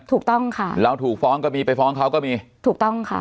ถูกต้องค่ะเราถูกฟ้องก็มีไปฟ้องเขาก็มีถูกต้องค่ะ